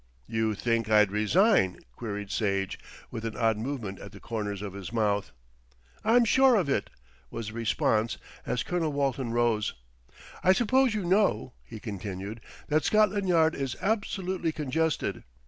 "You think I'd resign," queried Sage with an odd movement at the corners of his mouth. "I'm sure of it," was the response, as Colonel Walton rose. "I suppose you know," he continued, "that Scotland Yard is absolutely congested.